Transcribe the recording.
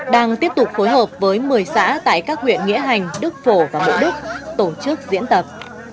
đang tiếp tục phối hợp với một mươi xã tại các huyện nghĩa hành đức phổ và mộ đức tổ chức diễn tập